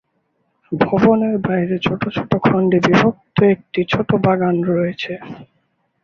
ভবনের বাইরে ছোট ছোট খণ্ডে বিভক্ত একটি ছোট বাগান রয়েছে।